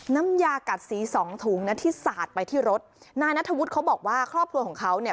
น้ำยากัดสีสองถุงนะที่สาดไปที่รถนายนัทธวุฒิเขาบอกว่าครอบครัวของเขาเนี่ย